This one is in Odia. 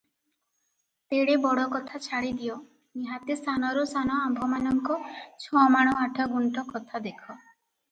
ତେଡ଼େ ବଡ଼ କଥା ଛାଡ଼ିଦିଅ, ନିହାତି ସାନରୁ ସାନ ଆମ୍ଭମାନଙ୍କ 'ଛମାଣ ଆଠଗୁଣ୍ଠ' କଥା ଦେଖ ।